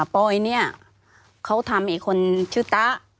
ปอยเนี่ยเขาทำอีกคนชื่อตะ